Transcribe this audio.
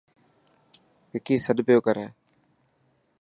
وڪي سڏ پيو ڪري.